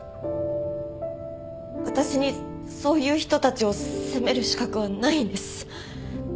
私にそういう人たちを責める資格はないんです。